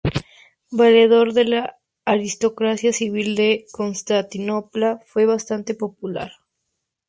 Valedor de la aristocracia civil de Constantinopla, fue bastante impopular.